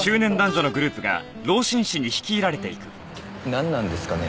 なんなんですかね？